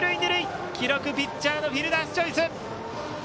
記録はピッチャーのフィルダースチョイス。